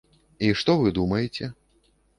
І што вы думаеце?